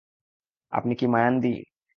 আপনি কী মায়ানদি?